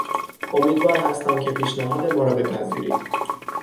امیدوار هستم که پیشنهاد ما را بپذیرد.